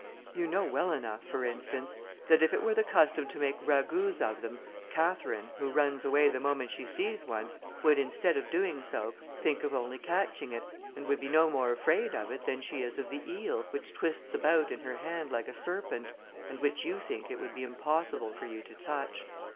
"You know well enough, for instance, that if it were the custom to make ragouts of them, Catherine, who runs away the moment she sees one, would, instead of doing so, think only of catching it, and would be no more afraid of it than she is of the eel, which twists about in her hand like a serpent, and which you think it would be impossible for you to touch.